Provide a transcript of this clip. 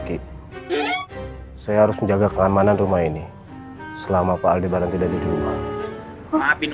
terima kasih saya harus menjaga keamanan rumah ini selama pak aldi barang tidak ada di rumah maafin